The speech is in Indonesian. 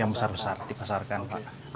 yang besar besar dipasarkan pak